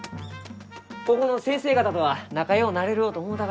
ここの先生方とは仲ようなれるろうと思うたがじゃ。